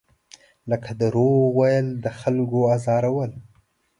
لکه دروغ ویل، د خلکو ازارول.